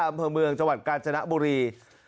อำเภอเมืองจังหวัดกาญจนบุรี